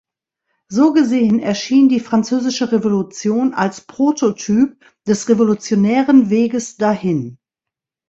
So gesehen erschien die Französische Revolution als „Prototyp des revolutionären Weges dahin“.